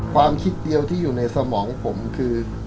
ความคิดเดียวที่อยู่ในสมองผมคือ